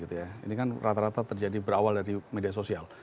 ini kan rata rata terjadi berawal dari media sosial